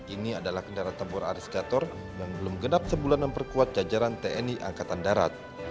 ini adalah kendaraan tempur aris gator yang belum genap sebulan memperkuat jajaran tni angkatan darat